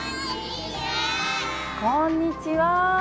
こんにちは。